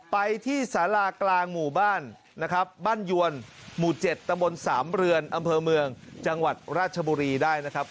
ไปที่สารากลางหมู่บ้านนะครับบ้านยวนหมู่๗ตำบลสามเรือนอำเภอเมืองจังหวัดราชบุรีได้นะครับ